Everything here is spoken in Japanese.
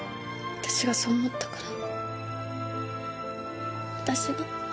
私が思ったから。